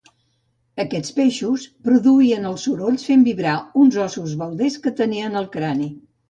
Aquests peixos produïen els sorolls fent vibrar uns ossos balders que tenien al crani